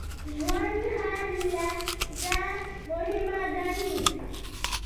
ژوندي هره لحظه مهمه ګڼي